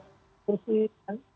a dapat kursi kan